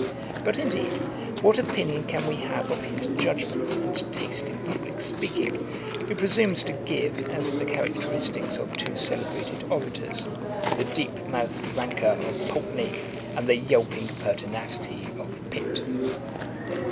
But, indeed, what opinion can we have of his judgement, and taste in publick speaking, who presumes to give, as the characteristicks of two celebrated orators, 'the deep mouthed rancour of Pulteney, and the yelping pertinacity of Pitt.'